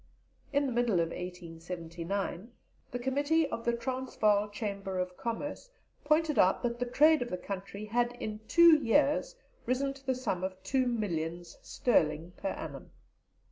In the middle of 1879, the committee of the Transvaal Chamber of Commerce pointed out that the trade of the country had in two years risen to the sum of two millions sterling per annum.